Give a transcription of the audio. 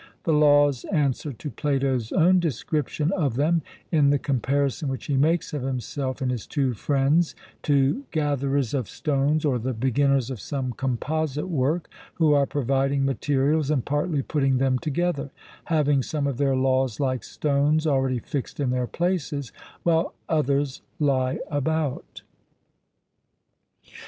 The Laws answer to Plato's own description of them, in the comparison which he makes of himself and his two friends to gatherers of stones or the beginners of some composite work, 'who are providing materials and partly putting them together: having some of their laws, like stones, already fixed in their places, while others lie about.'